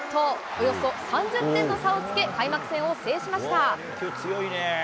およそ３０点の差をつけ、開幕戦を制しました。